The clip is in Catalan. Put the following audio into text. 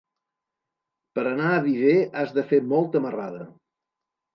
Per anar a Viver has de fer molta marrada.